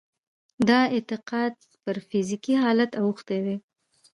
دا اعتقاد پر فزيکي حالت اوښتی دی.